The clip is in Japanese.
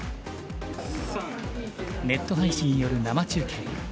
ネット配信による生中継。